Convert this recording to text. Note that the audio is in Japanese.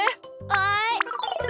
はい。